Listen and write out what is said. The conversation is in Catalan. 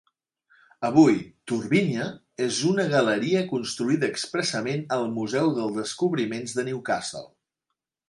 Avui, "Turbinia" és a una galeria construïda expressament al Museu dels Descobriments de Newcastle.